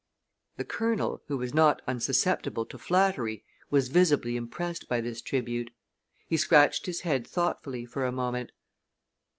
The Colonel, who was not unsusceptible to flattery, was visibly impressed by this tribute. He scratched his head thoughtfully for a moment.